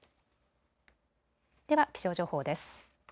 では気象情報です。